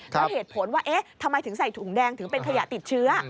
แล้วเหตุผลว่าเอ๊ะทำไมถึงใส่ถุงแดงถึงเป็นขยะติดเชื้อ